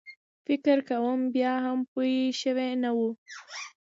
فکر کوم بیا هم پوی شوی نه و.